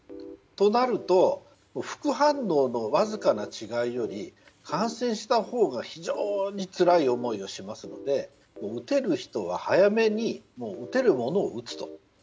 となると副反応のわずかな違いより感染したほうが非常につらい思いをしますので打てる人は早めに打てるものを打つと。